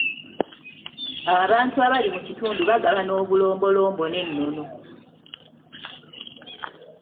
Abantu abali mu kitundu bagabana obulombolombo n'ennono.